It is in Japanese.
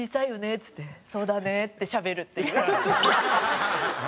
っつって「そうだね」ってしゃべるっていうのが。